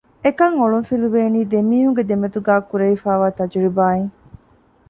އެކަން އޮޅުން ފިލުވޭނީ ދެމީހުންގެ ދެމެދުގައި ކުރެވިފައިވާ ތަޖުރިބާއިން